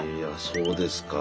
そうですか。